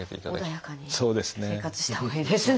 穏やかに生活してたほうがいいですね。